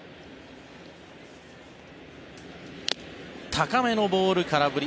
高めのボール、空振り。